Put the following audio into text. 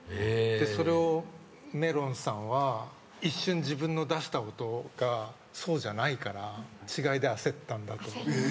それをめろんさんは一瞬自分の出した音がそうじゃないから違いで焦ったんだと思う。